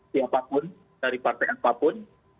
siapapun dari partai apapun